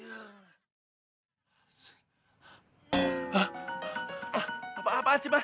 apaan sih ma